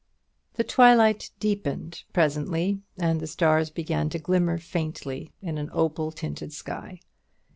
The twilight deepened presently, and the stars began to glimmer faintly in an opal tinted sky.